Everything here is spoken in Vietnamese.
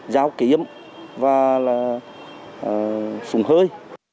giao kiếm và sùng hơi